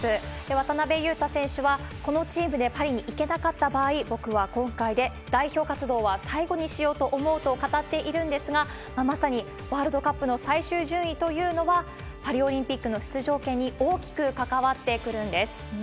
渡邊雄太選手は、このチームでパリに行けなかった場合、僕は今回で代表活動は最後にしようと思うと語っているんですが、まさにワールドカップの最終順位というのは、パリオリンピックの出場権に大きく関わってくるんです。